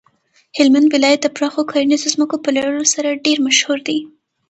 هلمند ولایت د پراخو کرنیزو ځمکو په لرلو سره ډیر مشهور دی.